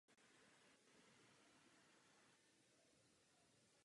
Němečtí liberálové jí bohužel nemohou dát svou podporu.